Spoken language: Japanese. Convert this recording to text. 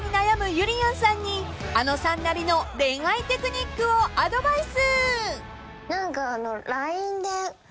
ゆりやんさんにあのさんなりの恋愛テクニックをアドバイス］